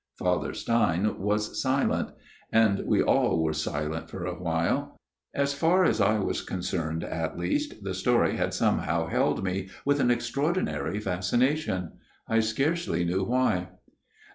Father Stein was silent ; and we all were silent for a while. As far as I was concerned at least the story had somehow held me with an extraordinary fascination, I scarcely knew why.